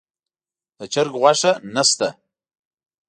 د چرګ غوښه نه شته.